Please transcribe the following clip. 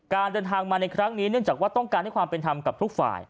เดินทางมาในครั้งนี้เนื่องจากว่าต้องการให้ความเป็นธรรมกับทุกฝ่าย